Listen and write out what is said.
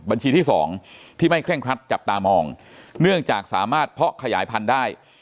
บัญชีที่๒ที่ไม่เคร่งครัดจับตามองเนื่องจากสามารถเพาะขยายพันธุ์ได้